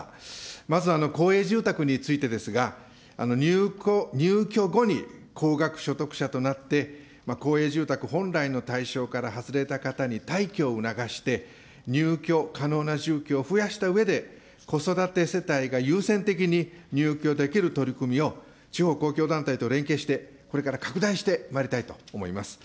まず公営住宅についてですが、入居後に高額所得者となって、公営住宅本来の対象から外れた方に退去を促して、入居可能な住居を増やしたうえで、子育て世帯が優先的に入居できる取り組みを、地方公共団体と連携して、これから拡大してまいりたいと思います。